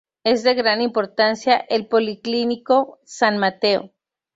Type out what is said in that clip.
Es de gran importancia el Policlínico San Matteo.